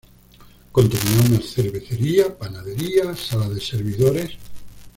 Contenía una cervecería, panadería, sala de servidores...